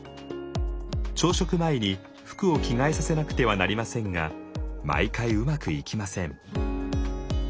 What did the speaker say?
朝食前に服を着替えさせなくてはなりませんが毎回うまくいきません。